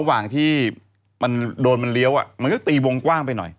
ระหว่างที่มันโดนมันเลี้ยวมันก็ตีวงกว้างไปหน่อย